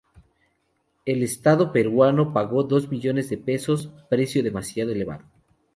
El Estado peruano pagó dos millones de pesos, precio demasiado elevado.